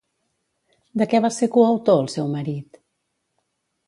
De què va ser coautor el seu marit?